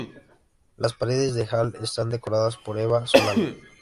Las paredes de hall están decoradas por Eva Solano.